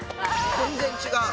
全然違う。